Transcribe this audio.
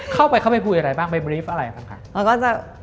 เข้าไปเข้าไปคุยอะไรบ้างไปบรีฟอะไรบ้างคะ